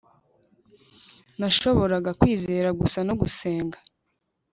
nashoboraga kwizera gusa no gusenga